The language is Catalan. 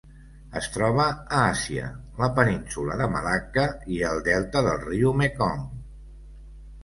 Es troba a Àsia: la Península de Malacca i el delta del riu Mekong.